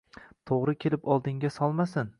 To‘g‘ri kelib oldingga solmasin.